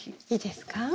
いいですか？